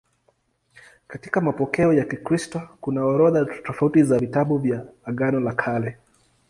Katika mapokeo ya Kikristo kuna orodha tofauti za vitabu vya Agano la Kale.